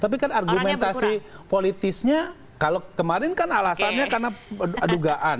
tapi kan argumentasi politisnya kalau kemarin kan alasannya karena dugaan